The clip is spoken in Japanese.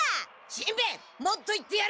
しんべヱもっと言ってやれ！